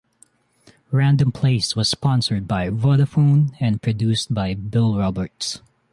Random Place was sponsored by Vodafone and produced by Bill Roberts.